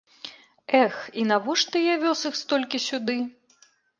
Эх, і навошта я вёз іх столькі сюды?